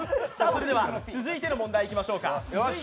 続いての問題いきましょうか。